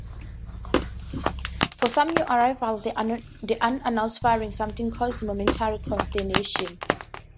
For some new arrivals, the unannounced firing sometimes caused momentary consternation.